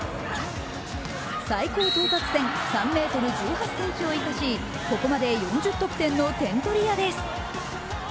最高到達点３ｍ１８ｃｍを生かしここまで４０得点の点取り屋です。